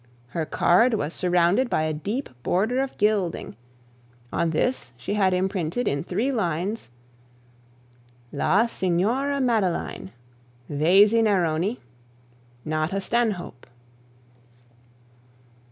Her card was surrounded by a deep border of gilding; on this she had imprinted, in three lines: La Signora Madeline Vesey Neroni. Nata Stanhope.